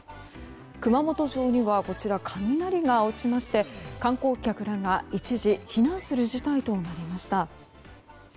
熊本城には雷が落ちまして観光客らが一時避難する事態となりました。